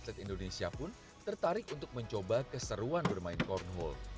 dan atlet indonesia pun tertarik untuk mencoba keseruan bermain cornhole